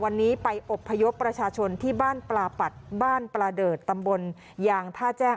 วันนี้ไปอบพยพประชาชนที่บ้านปลาปัดบ้านปลาเดิดตำบลยางท่าแจ้ง